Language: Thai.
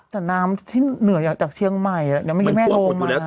แต่น้ำที่เหนือจากเชียงใหม่ยังไม่มีแม่โดนอยู่เลยนะ